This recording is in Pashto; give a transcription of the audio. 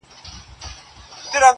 هغه مه ښوروه ژوند راڅخـه اخلي.